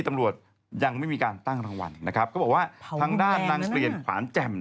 ตำรวจยังไม่มีการตั้งรางวัลนะครับก็บอกว่าทางด้านนางเปลี่ยนขวานแจ่ม